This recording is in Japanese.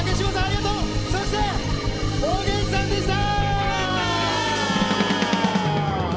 そしておげんさんでした！